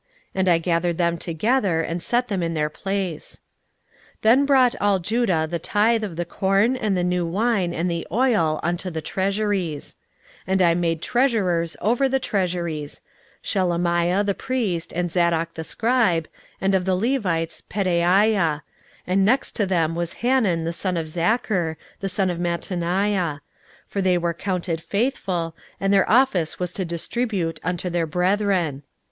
And I gathered them together, and set them in their place. 16:013:012 Then brought all Judah the tithe of the corn and the new wine and the oil unto the treasuries. 16:013:013 And I made treasurers over the treasuries, Shelemiah the priest, and Zadok the scribe, and of the Levites, Pedaiah: and next to them was Hanan the son of Zaccur, the son of Mattaniah: for they were counted faithful, and their office was to distribute unto their brethren.